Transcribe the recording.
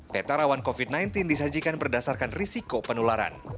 peta rawan covid sembilan belas disajikan berdasarkan risiko penularan